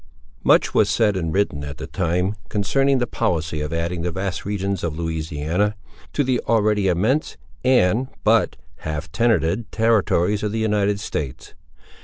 Much was said and written, at the time, concerning the policy of adding the vast regions of Louisiana, to the already immense and but half tenanted territories of the United States.